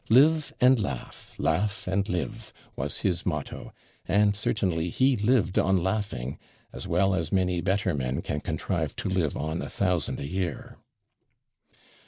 'Live and laugh laugh and live,' was his motto; and certainly he lived on laughing, as well as many better men can contrive to live on a thousand a year.